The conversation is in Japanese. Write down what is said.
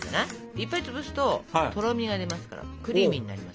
いっぱい潰すととろみが出ますからクリーミーになります。